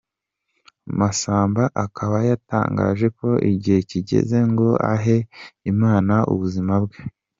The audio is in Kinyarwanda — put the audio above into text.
Masamba akaba yatangaje ko igihe kigeze ngo ahe Imana ubuzima bwe.